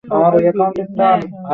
ও কী মারা গেছে?